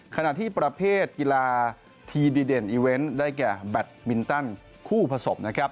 ขณะที่ประเภทกีฬาทีมดีเด่นได้แก่แบตมินตันคู่ผสม